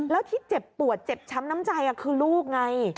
แล้วที่เจ็บปวดเจ็บช้ำน้ำใจคือลูกไง